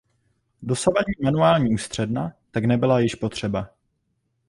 Dosavadní manuální ústředna tak nebyla již potřeba.